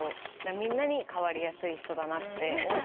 みんなに変わりやすい人だなって思われてる。